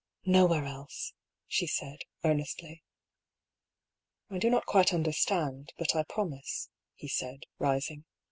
" Nowhere else," she said, earnestly. " I do not quite understand, but I promise," he said, rising.